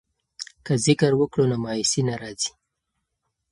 که ذکر وکړو نو مایوسي نه راځي.